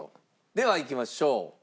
ではいきましょう。